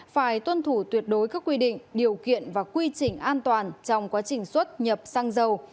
phải tuân thủ tuyệt đối các quy định điều kiện và quy trình an toàn trong quá trình xuất nhập xăng dầu